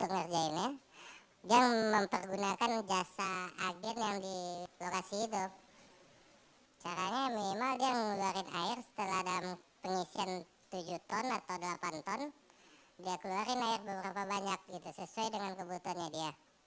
kalau ada pengisian tujuh ton atau delapan ton dia keluarin air beberapa banyak sesuai dengan kebutuhannya dia